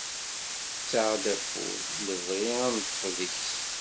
Tettak-aɣ-d afud, d lebɣi ad neṭṭef deg-s.